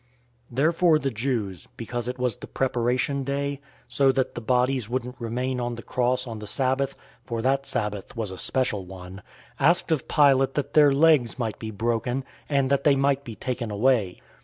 019:031 Therefore the Jews, because it was the Preparation Day, so that the bodies wouldn't remain on the cross on the Sabbath (for that Sabbath was a special one), asked of Pilate that their legs might be broken, and that they might be taken away.